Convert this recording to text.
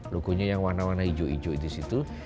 logonya yang warna warna hijau hijau disitu